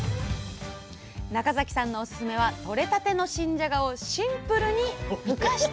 中崎さんのおススメは取れたての新じゃがをシンプルにふかしたもの